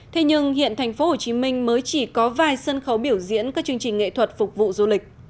thế nhưng hiện thành phố hồ chí minh mới chỉ có vài sân khấu biểu diễn các chương trình nghệ thuật phục vụ du lịch